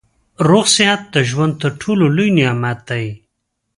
روغ صحت د ژوند تر ټولو لوی نعمت دی